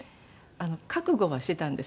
覚悟はしていたんです。